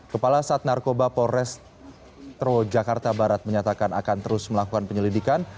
kepala sat narkoba polres metro jakarta barat menyatakan akan terus melakukan penyelidikan